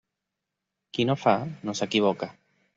Qui no fa, no s'equivoca.